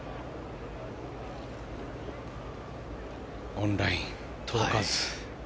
オンライン、届かず。